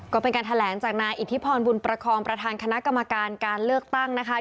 ก็เป็นการแถลงจากนายอิทธิพรบุญประคองประธานคณะกรรมการการเลือกตั้งนะคะ